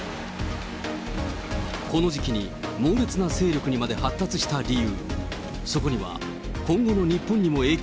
この時期に猛烈な勢力にまで発達した理由。